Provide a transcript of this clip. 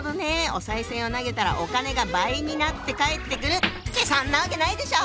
お賽銭を投げたらお金が倍になって返ってくるってそんなわけないでしょ！